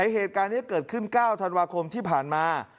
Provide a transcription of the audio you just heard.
เหตุการณ์นี้เกิดขึ้น๙ธันวาคมที่ผ่านมา